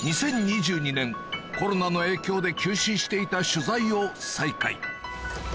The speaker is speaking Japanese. コロナの影響で休止していた取材を再開